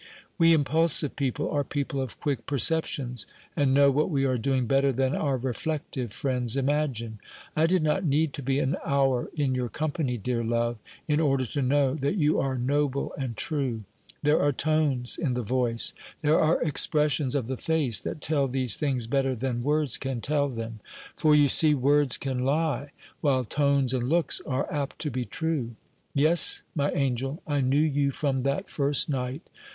We impulsive people are people of quick perceptions, and know what we are doing better than our reflective friends imagine. I did not need to be an hour in your company, dear love, in order to know that you are noble and true. There are tones in the voice, there are expressions of the face, that tell these things better than words can tell them; for, you see, words can lie, while tones and looks are apt to be true. Yes, my angel, I knew you from that first night.